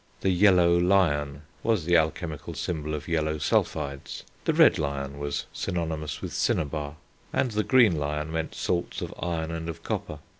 The yellow lion was the alchemical symbol of yellow sulphides, the red lion was synonymous with cinnabar, and the green lion meant salts of iron and of copper.